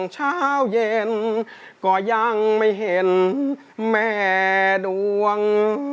เช้าเย็นก็ยังไม่เห็นแม่ดวง